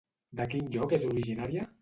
De quin lloc és originària?